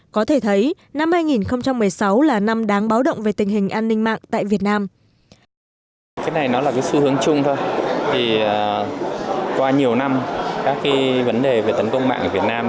có thể thấy năm hai nghìn một mươi sáu là năm đáng báo động về tình hình an ninh mạng tại việt nam